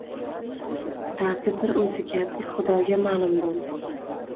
Dardi bir o‘ziga, bir xudoga ma’lum bo‘ldi.